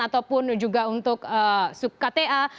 ataupun juga untuk kta